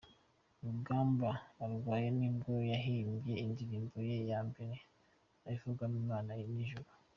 Rugamba arwaye nibwo yahimbye indirimbo ye ya mbere avugamo Imana n’Ijuru .